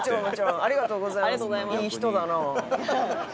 ありがとうございます。